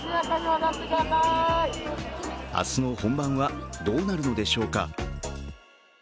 明日の本番はどうなるのでしょうか。